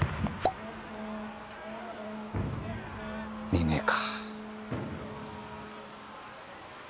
見ねえか。